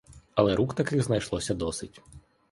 Але рук таких знайшлося досить.